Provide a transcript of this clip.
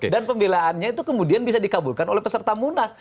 dan pembelaannya itu kemudian bisa dikabulkan oleh peserta munas